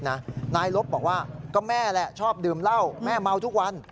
นายลบบอกว่าก็แม่แหละชอบดื่มเหล้าแม่เมาทุกวัน